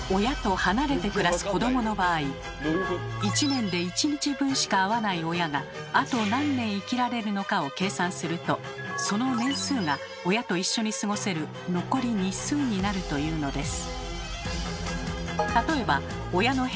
１年で１日分しか会わない親があと何年生きられるのかを計算するとその年数が親と一緒に過ごせる残り日数になるというのです。